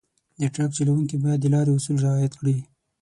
د ټرک چلونکي باید د لارې اصول رعایت کړي.